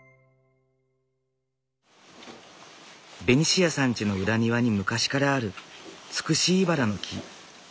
ベニシアさんちの裏庭に昔からあるツクシイバラの木。